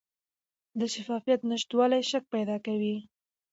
د شفافیت نشتوالی شک پیدا کوي